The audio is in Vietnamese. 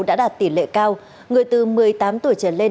đã đạt tỷ lệ cao người từ một mươi tám tuổi trở lên